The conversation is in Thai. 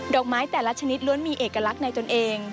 อกไม้แต่ละชนิดล้วนมีเอกลักษณ์ในตนเอง